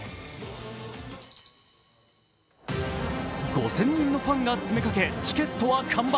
５０００人のファンが詰めかけチケットは完売。